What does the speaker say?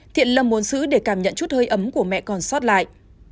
thiện lâm muốn giữ để cảm nhận chút hơi ấm của mẹ còn sót lại